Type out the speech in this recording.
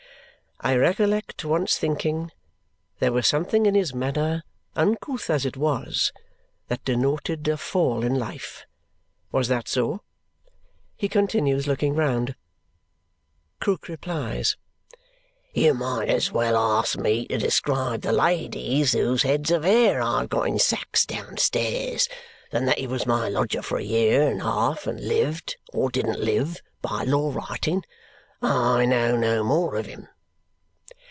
"I recollect once thinking there was something in his manner, uncouth as it was, that denoted a fall in life. Was that so?" he continues, looking round. Krook replies, "You might as well ask me to describe the ladies whose heads of hair I have got in sacks downstairs. Than that he was my lodger for a year and a half and lived or didn't live by law writing, I know no more of him."